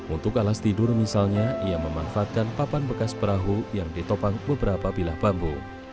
untuk alas tidur misalnya ia memanfaatkan papan bekas perahu yang ditopang beberapa bilah bambu